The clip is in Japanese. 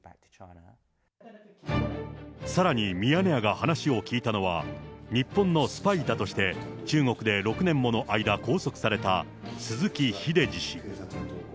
さらにミヤネ屋が話を聞いたのは、日本のスパイだとして、中国で６年もの間、拘束された、鈴木英司氏。